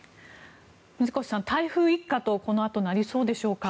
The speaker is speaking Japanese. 水越さん、台風一過とこのあとなりそうでしょうか。